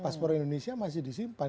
paspor indonesia masih disimpan